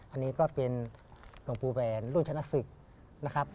อันนี้ก็เป็นหลวงปู่แหวนลูกชนะศึกนะครับ